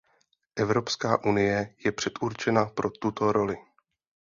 Evropská unie je předurčena pro tuto roli.